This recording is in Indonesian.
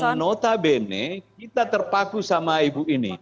karena notabene kita terpaku sama ibu ini